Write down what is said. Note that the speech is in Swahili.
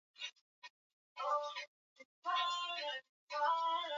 kiongozi wa libya kanali gaddafi amesema kamwe